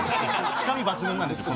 つかみ抜群なんですよ